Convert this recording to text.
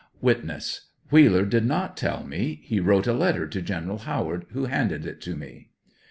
] Witness. Wheeler did not tell me ; he wrote a letter to General Howard, who handed it to me.